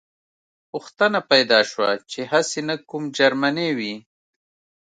پوښتنه پیدا شوه چې هسې نه کوم جرمنی وي